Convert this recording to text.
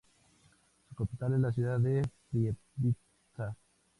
Su capital es la ciudad de Prievidza.